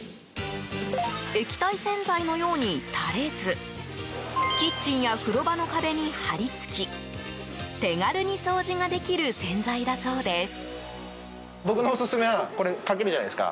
液体洗剤のように垂れずキッチンや風呂場の壁に張り付き手軽に掃除ができる洗剤だそうです。